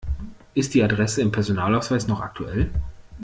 Ist die Adresse im Personalausweis noch aktuell?